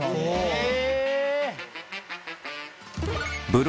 へえ。